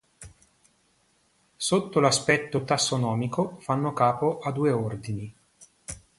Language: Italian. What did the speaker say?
Sotto l'aspetto tassonomico fanno capo a due ordini.